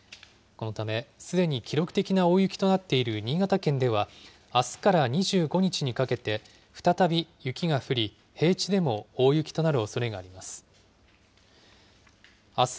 このためすでに記録的な大雪となっている新潟県では、あすから２５日にかけて再び雪が降り、平地でも大雪となるおそれがあります。